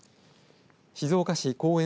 静岡市公園